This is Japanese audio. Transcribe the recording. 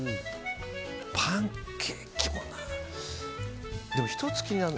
パンケーキもな。